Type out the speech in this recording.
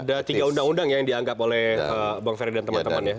ada tiga undang undang yang dianggap oleh bang ferry dan teman teman ya